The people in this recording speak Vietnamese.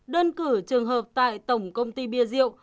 đơn cử trường hợp tại tổng công ty bia rượu